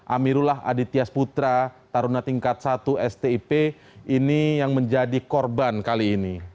amirullah aditya sputra taruna tingkat satu stip ini yang menjadi korban kali ini